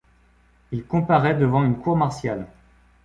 Il comparait devant une cour martiale.